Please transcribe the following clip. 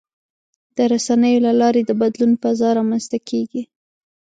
د رسنیو له لارې د بدلون فضا رامنځته کېږي.